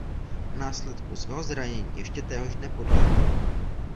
Následkům svého zranění ještě téhož dne podlehl.